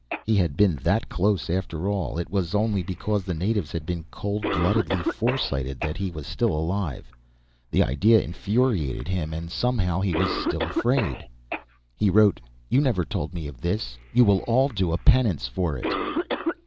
He had been that close, after all. It was only because the natives had been cold bloodedly foresighted that He was still alive. The idea infuriated Him, and somehow He was still afraid. He wrote, "You never told me this. You will all do a penance for it."